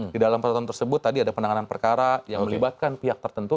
di dalam peraturan tersebut tadi ada penanganan perkara yang melibatkan pihak tertentu